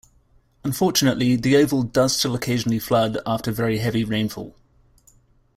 Unfortunately, the oval does still occasionally flood after very heavy rainfall.